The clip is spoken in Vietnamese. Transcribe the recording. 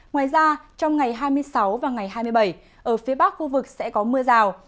ngoài ra trong ngày hai mươi sáu và ngày hai mươi bảy ở phía bắc khu vực sẽ có mưa rào